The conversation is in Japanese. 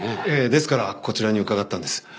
ええですからこちらに伺ったんです。